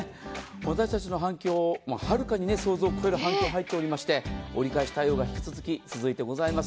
私たちの想像を超える反響が入っておりまして折り返し対応が引き続いてございます。